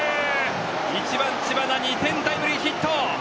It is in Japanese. １番知花、２点タイムリーヒット。